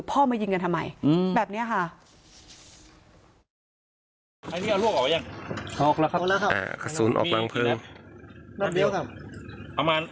มายิงกันทำไมแบบนี้ค่ะ